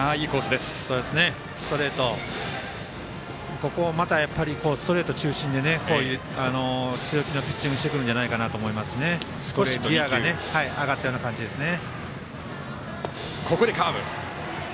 ここをまたストレート中心で強気のピッチングしてくるんじゃないかなと思いますね、少しギヤがあがったような感じですね。